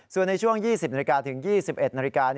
ส่วนในช่วง๒๐นาฬิกาถึง๒๑นาฬิกา